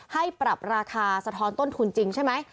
ให้ปรับราคาสะท้อนต้นทุนจริงใช่ไหม